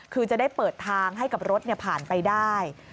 คือจะได้เปิดทางให้กับรถผ่านไปได้